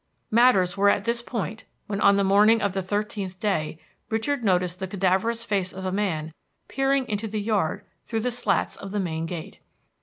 Matters were at this point, when on the morning of the thirteenth day Richard noticed the cadaverous face of a man peering into the yard through the slats of the main gate.